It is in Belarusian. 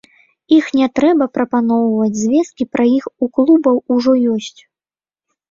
Іх не трэба прапаноўваць, звесткі пра іх у клубаў ужо ёсць.